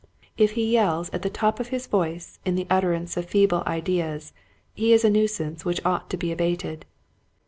If he yells at the top of his voice in the utterance of feeble ideas he is a nuisance which ought to be abated.